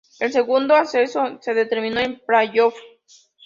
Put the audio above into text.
El segundo ascenso se determinó en playoff.